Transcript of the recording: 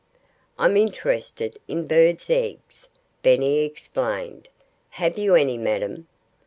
"I'm interested in birds' eggs," Benny explained. "Have you any, madam?"